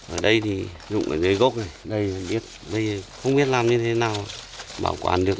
ở đây thì rụng ở dưới gốc này đây không biết làm như thế nào bảo quản được